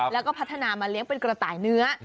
แล้วก็พัฒนามาเลี้ยงเป็นกระต่ายเนื้อ